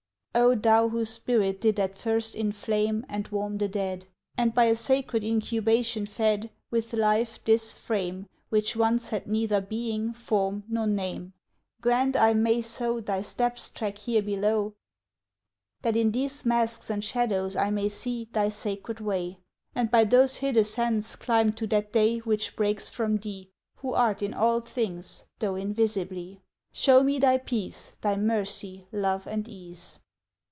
O thou whose spirit did at first inflame And warm the dead! And by a sacred incubation fed With life this frame, Which once had neither being, form, nor name! Grant I may so Thy steps track here below, That in these masks and shadows I may see Thy sacred way; And by those hid ascents climb to that day Which breaks from thee, Who art in all things, though invisibly: Show me thy peace, Thy mercy, love, and ease.